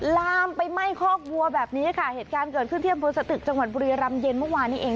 ลามไปไหม้คอกวัวแบบนี้ค่ะเหตุการณ์เกิดขึ้นที่อำเภอสตึกจังหวัดบุรีรำเย็นเมื่อวานนี้เอง